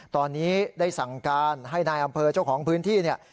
ตอนนี้ได้สั่งการให้นายอำเภอเจ้าของพื้นที่เนี่ย